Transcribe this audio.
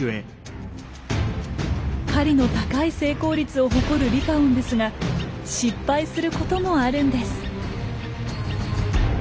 狩りの高い成功率を誇るリカオンですが失敗することもあるんです。